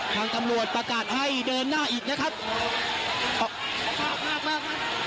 ทางทำรวจประกาศให้เดินหน้าอีกนะครับออกมาออกมาออกมา